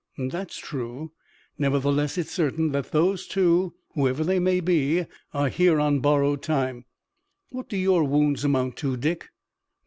"That's true. Nevertheless it's certain that those two, whoever they may be, are here on borrowed time. What do your wounds amount to, Dick?"